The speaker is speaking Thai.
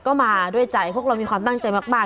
ก็มาด้วยใจพวกเรามีความตั้งใจมาก